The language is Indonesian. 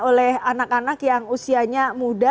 oleh anak anak yang usianya muda